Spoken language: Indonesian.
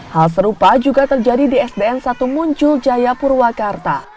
hal serupa juga terjadi di sdn satu muncul jaya purwakarta